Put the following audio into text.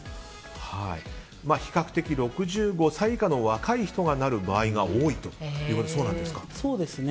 比較的６５歳以下の若い人がなる場合が多いということでそうなんですか。